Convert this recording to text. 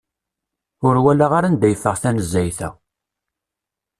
Ur walaɣ ara anda yeffeɣ tanezzayt-a.